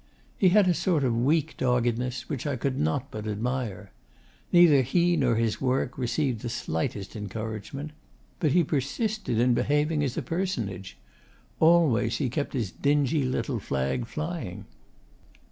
He had a sort of weak doggedness which I could not but admire. Neither he nor his work received the slightest encouragement; but he persisted in behaving as a personage: always he kept his dingy little flag flying.